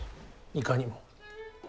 いかにも。